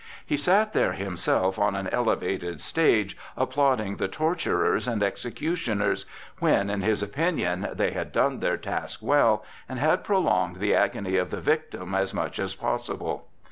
He sat there himself on an elevated stage applauding the torturers and executioners when, in his opinion, they had done their task well and had prolonged the agony of the victim as much as possible.